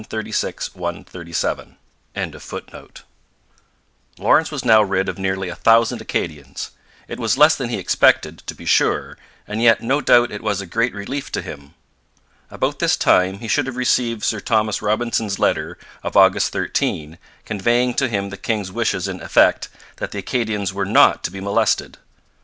] Lawrence was now rid of nearly a thousand Acadians. It was less than he expected, to be sure, and yet no doubt it was a great relief to him. About this time he should have received Sir Thomas Robinson's letter of August 13, conveying to him the king's wishes in effect that the Acadians were not to be molested.